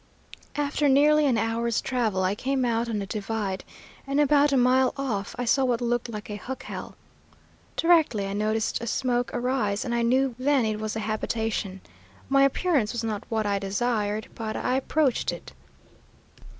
After nearly an hour's travel, I came out on a divide, and about a mile off I saw what looked like a jacal. Directly I noticed a smoke arise, and I knew then it was a habitation. My appearance was not what I desired, but I approached it.